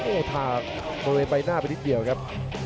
โอ้ทางมันเลยไปหน้าไปนิดเดียวครับ